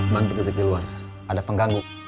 bantu duduk di luar ada pengganggu